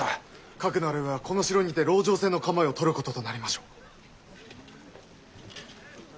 かくなる上はこの城にて籠城戦の構えを取ることとなりましょう。